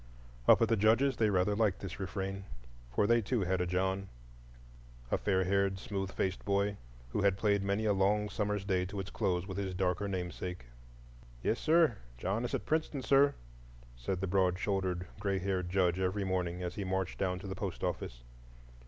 Up at the Judge's they rather liked this refrain; for they too had a John—a fair haired, smooth faced boy, who had played many a long summer's day to its close with his darker namesake. "Yes, sir! John is at Princeton, sir," said the broad shouldered gray haired Judge every morning as he marched down to the post office.